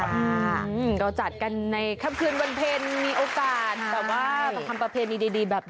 ค่ะก็จัดกันในค่ำคืนวันเพ็ญมีโอกาสแบบว่าทำประเพณีดีแบบนี้